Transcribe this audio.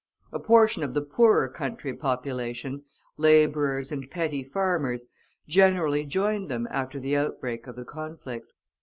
A portion of the poorer country population, laborers and petty farmers, generally joined them after the outbreak of the conflict.